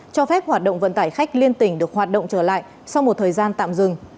cho phép hoạt động vận tải khách liên tỉnh được hoạt động trở lại sau một thời gian tạm dừng